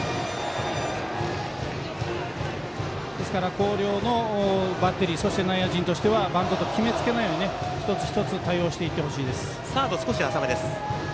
広陵のバッテリーそして、内野陣としてはバントと決め付けないで一つ一つ対応していってほしいです。